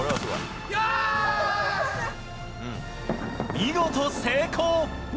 見事成功！